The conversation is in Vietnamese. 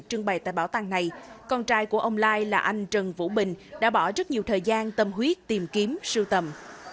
trưng bày tại bảo tàng này con trai của ông lai là anh trần vũ bình đã bỏ rất nhiều thời gian tâm huyết tìm kiếm sưu tầm